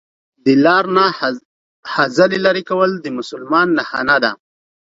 دا لار نه خځلي لري کول د مسلمان نښانه ده